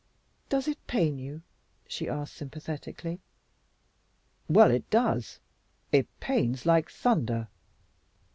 "Does it pain you?" she asked sympathetically. "Well, it does. It pains like thunder."